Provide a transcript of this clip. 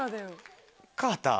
カーター。